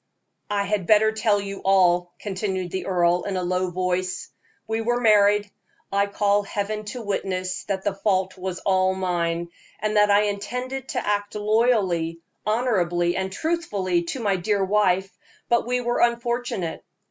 "I had better tell you all," continued the earl, in a low voice. "We were married. I call Heaven to witness that the fault was all mine, and that I intended to act loyally, honorably, and truthfully to my dear wife; but we were unfortunate.